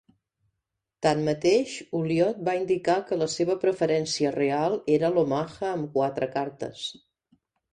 Tanmateix, Ulliott va indicar que la seva preferència real era l'Omaha amb quatre cartes.